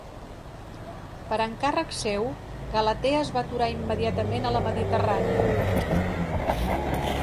Per encàrrec seu, "Galatea" es va aturar immediatament a la Mediterrània.